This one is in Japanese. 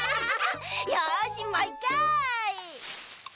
よしもう１かい！